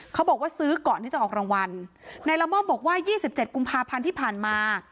บอกว่าซื้อก่อนที่จะออกรางวัลนายละม่อมบอกว่ายี่สิบเจ็ดกุมภาพันธ์ที่ผ่านมา